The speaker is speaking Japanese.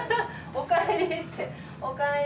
おかえり。